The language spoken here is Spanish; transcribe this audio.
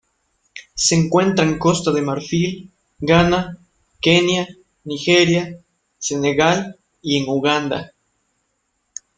Se encuentra en Costa de Marfil, Ghana, Kenia, Nigeria, Senegal y en Uganda.